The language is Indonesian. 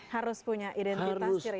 harus punya identitas ciri